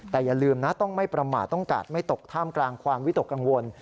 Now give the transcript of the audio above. แต่อย่าลืมนะต้องไม่ประมาทต้องกาดไม่ตกท่ามกลางความวิตกกังวล